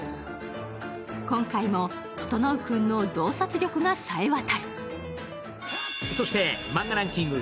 今回も整君の洞察力がさえ渡る。